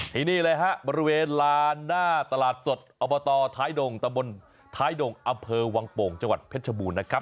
ทีนี้มาระเวณลานหน้าตลาดสดอถายดงตำนทองถายดงอวังโป่งจเพชรชะบูน